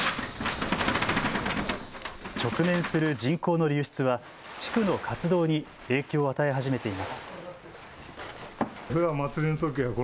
直面する人口の流出は地区の活動に影響を与え始めています。